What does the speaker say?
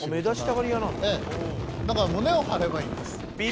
だから胸を張ればいいんです。